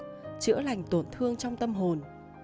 yoga chữa lành tổn thương trong tâm hồn